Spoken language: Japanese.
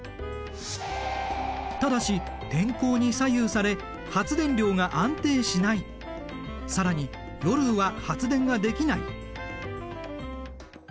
ただし天候に左右され発電量が安定しない更に夜は発電ができない。